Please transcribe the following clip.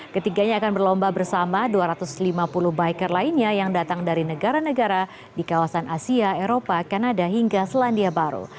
ketiganya akan berlomba bersama dua ratus lima puluh biker lainnya yang datang dari negara negara di kawasan asia eropa kanada hingga selandia baru